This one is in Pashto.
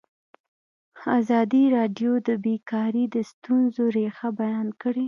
ازادي راډیو د بیکاري د ستونزو رېښه بیان کړې.